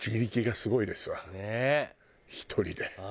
１人で。